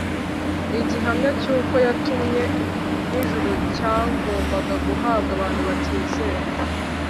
igihamya cy’uko yatumwe n’ijuru cyagombaga guhabwa abantu batizera